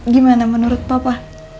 gimana menurut papa